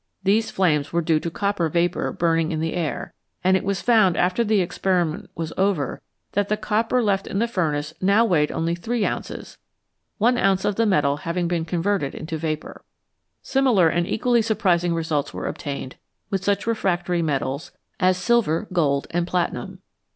These flames were due to copper vapour burning in the air ; and it was found after the experiment was over that the copper left in the furnace now weighed only 3 ounces, 1 ounce of the metal having been converted into vapour. Similar and equally surprising results were obtained with such refractory metals as silver, gold, and platinum.